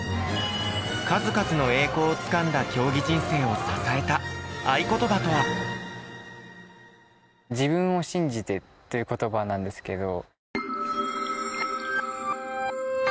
数々の栄光をつかんだ競技人生を支えた愛ことばとは？っていう言葉なんですけど。